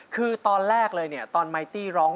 คือตอนแรกเลยเนี่ยตอนไมตี้ร้อง